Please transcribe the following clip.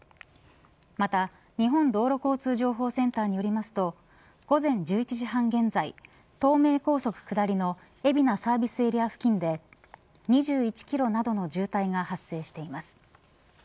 また日本道路交通情報センターによりますと午前１１時半現在東名高速下りの海老名サービスエリア付近で２１キロなどの渋滞が発生しています。